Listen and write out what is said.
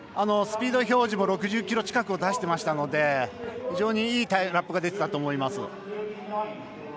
スピード表示も６０キロ近くを出していましたので非常にいいラップが出ていたと思います。